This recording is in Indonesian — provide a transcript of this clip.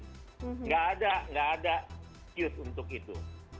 tidak ada tidak ada excuse untuk itu